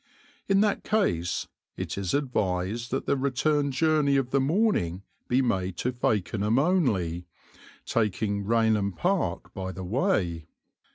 In that case it is advised that the return journey of the morning be made to Fakenham only, taking Rainham Park by the way.